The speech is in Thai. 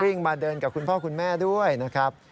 มาเดินกับคุณพ่อคุณแม่ด้วยนะครับ